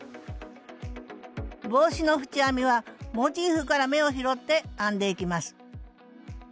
帽子の縁編みはモチーフから目を拾って編んでいきます